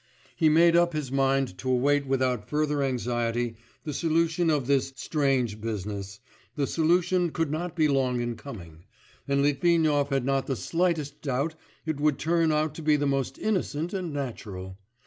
He made up his mind to await without further anxiety the solution of all this 'strange business'; the solution could not be long in coming, and Litvinov had not the slightest doubt it would turn out to be most innocent and natural.